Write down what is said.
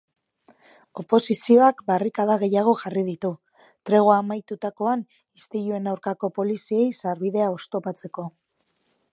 Oposizioak barrikada gehiago jarri ditu, tregoa amaitutakoan istiluen aurkako poliziei sarbidea oztopatzeko.